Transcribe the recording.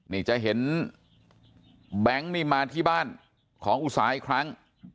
นี่จะเห็นแบงค์นี่มาที่บ้านของอุตสาหอีกครั้ง